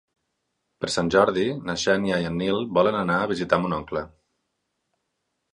Per Sant Jordi na Xènia i en Nil volen anar a visitar mon oncle.